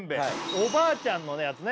おばあちゃんのやつね